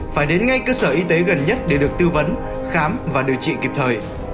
phải đến ngay cơ sở y tế gần nhất để được tư vấn khám và điều trị kịp thời